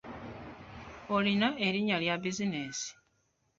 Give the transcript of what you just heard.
Olina erinnya lya buzinensi?